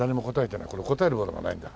これ応えるものがないんだ。